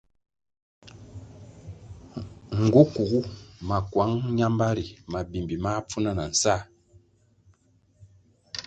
Nğu kuğu makuang ñambari mabimbi máh pfuna na nsáh.